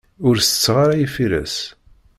Ur tetteɣ ara ifires.